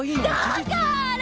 だから！